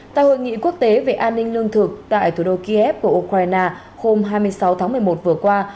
tại hội nghị quốc tế về an ninh lương thực tại thủ đô kiev của ukraine hôm hai mươi sáu tháng một mươi một vừa qua